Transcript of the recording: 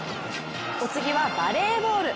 お次はバレーボール。